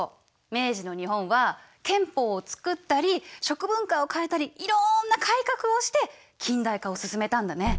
明治の日本は憲法を作ったり食文化を変えたりいろんな改革をして近代化を進めたんだね。